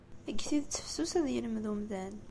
Deg tidet, fessus ad yelmed umdan.